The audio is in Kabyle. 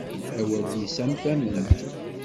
Awalen-is am tament.